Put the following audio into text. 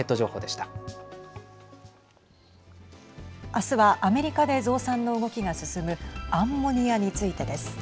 明日はアメリカで増産の動きが進むアンモニアについてです。